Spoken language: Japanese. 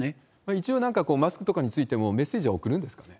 一応、マスクなんかについてもメッセージは送るんですよね。